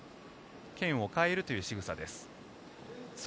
面を変えるというしぐさです。